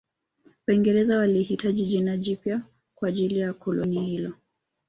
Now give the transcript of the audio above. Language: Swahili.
Waingereza walihitaji jina jipya kwa ajili ya koloni hilo